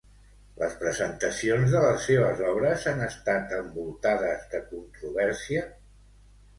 Les presentacions de les seves obres han estat envoltades de controvèrsia?